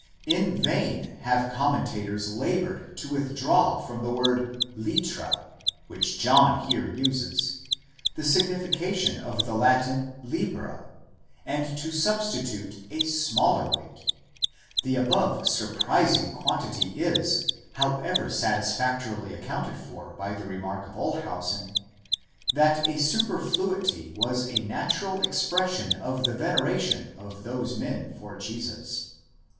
In vain have commentators laboured to withdraw from the word Airpa, which John here uses, the signification of the Latin dra, and to sub stitute a smaller weight: the above surprising quantity is, however, satisfac torily accounted for by the remark of Olshausen, that the superfluity was a natural expression of the veneration of those men for Jesus.